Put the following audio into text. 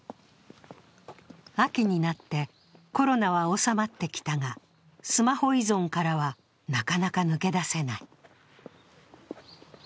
秋になってコロナは収まってきたがスマホ依存からはなかなか抜け出せない。